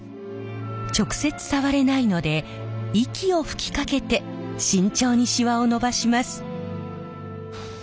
直接触れないので息を吹きかけて慎重にシワをのばします。